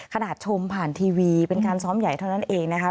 ชมผ่านทีวีเป็นการซ้อมใหญ่เท่านั้นเองนะคะ